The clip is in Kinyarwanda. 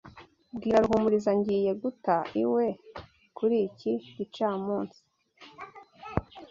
Bwira Ruhumuriza ngiye guta iwe kuri iki gicamunsi.